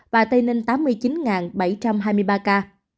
và tây ninh tám mươi chín bảy trăm hai mươi ba ca